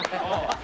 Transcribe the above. はい！